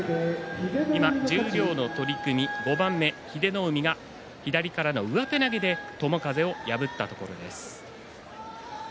今、十両の取組５番目英乃海が左からの上手投げで友風を破ったところです。